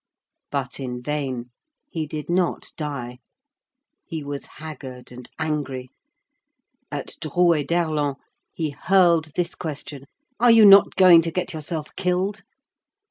But in vain; he did not die. He was haggard and angry. At Drouet d'Erlon he hurled this question, "Are you not going to get yourself killed?"